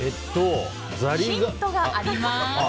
ヒントがあります。